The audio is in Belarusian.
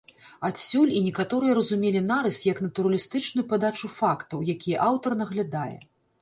Адсюль і некаторыя разумелі нарыс як натуралістычную падачу фактаў, якія аўтар наглядае.